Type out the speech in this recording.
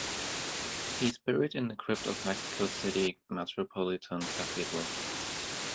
He is buried in the crypt of Mexico City Metropolitan Cathedral.